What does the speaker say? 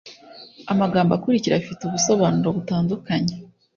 amagambo akurikira afite ubusobanuro butandukanye